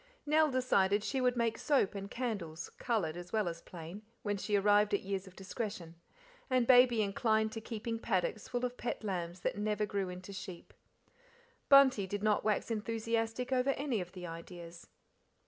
Nell decided the would make soap and candles, coloured as well as plain, when she arrived at years of discretion; said Baby inclined to keeping paddocks full of pet lambs that never grew into sheep. Bunty did, not wax enthusiastic over any of the ideas.